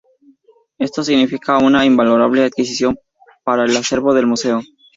Esto significó una invalorable adquisición para el acervo del Museo.